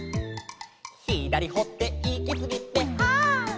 「ひだりほっていきすぎてはっ」